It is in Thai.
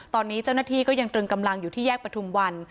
ตอนนี้เจ้าหน้าที่ก็ยังตรึงกำลังอยู่ที่แยกประทุมวัน